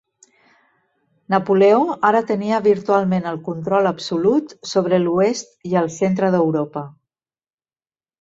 Napoleó ara tenia virtualment el control absolut sobre l'oest i el centre d'Europa.